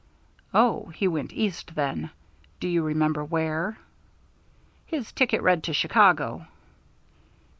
"Oh, he went east then. Do you remember where?" "His ticket read to Chicago."